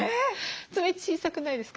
爪小さくないですか？